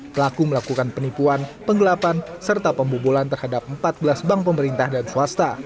pelaku melakukan penipuan penggelapan serta pembobolan terhadap empat belas bank pemerintah dan swasta